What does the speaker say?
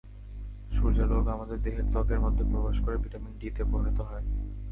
সূর্যালোক আমাদের দেহের ত্বকের মধ্যে প্রবেশ করে ভিটামিন ডি-তে পরিণত হয়।